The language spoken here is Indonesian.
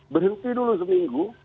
berhenti dulu seminggu